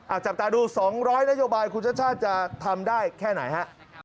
จับตาดู๒๐๐นโยบายคุณชาติชาติจะทำได้แค่ไหนฮะ